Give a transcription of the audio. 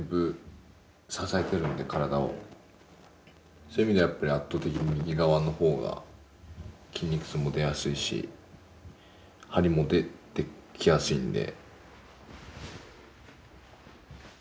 そういう意味ではやっぱり圧倒的に右側のほうが筋肉痛も出やすいし張りも出てきやすいんで。